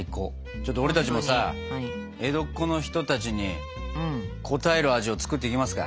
ちょっと俺たちもさ江戸っ子の人たちに応える味を作っていきますか。